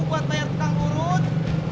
buat bayar petang urut